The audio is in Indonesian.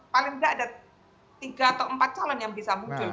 paling tidak ada tiga atau empat calon yang bisa muncul